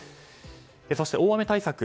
そして大雨対策。